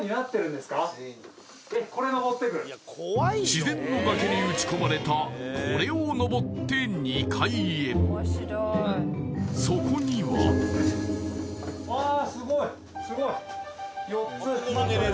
自然の崖に打ち込まれたこれをのぼって２階へそこにはわあすげえ